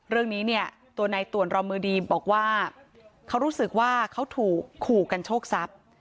เรื่องนี้เนี่ยตัวในต่วนรอมือดีบอกว่าเขารู้สึกว่าเขาถูกขู่กันโชคทรัพย์